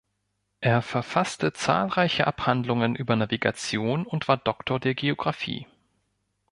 Er verfasste zahlreiche Abhandlungen über Navigation und war Doktor der Geographie.